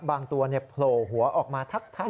บางตัวโผล่หัวออกมาทักทาย